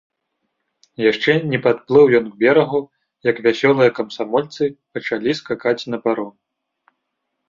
Яшчэ не падплыў ён к берагу, як вясёлыя камсамольцы пачалі скакаць на паром.